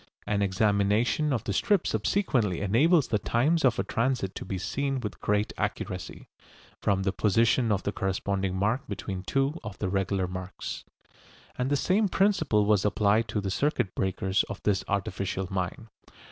An examination of the strip subsequently enables the times of a transit to be seen with great accuracy, from the position of the corresponding mark between two of the regular marks. And the same principle was applied to the circuit breakers of this artificial mine.